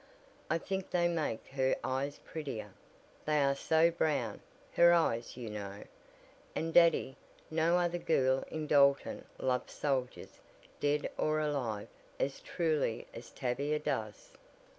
I think they make her eyes prettier, they are so brown her eyes you know. And Daddy, no other girl in Dalton loves soldiers, dead or alive, as truly as Tavia does."